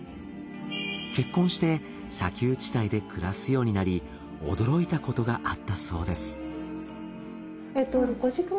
結婚して砂丘地帯で暮らすようになり驚いたことがあったそうです。